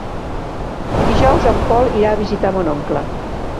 Dijous en Pol irà a visitar mon oncle.